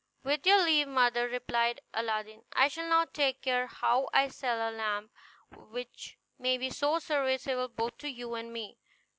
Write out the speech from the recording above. "With your leave, mother," replied Aladdin, "I shall now take care how I sell a lamp which may be so serviceable both to you and me.